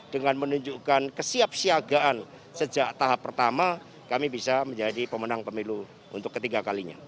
dengan menunjukkan kesiapsiagaan sejak tahap pertama kami bisa menjadi pemenang pemilu untuk ketiga kalinya